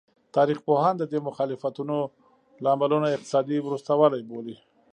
تاریخ پوهان د دې مخالفتونو لاملونه اقتصادي وروسته والی بولي.